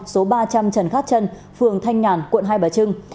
số ba trăm linh trần khát trân phường thanh nhàn quận hai bà trưng